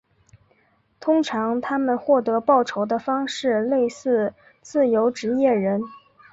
通常他们获得报酬的方式类似自由职业人。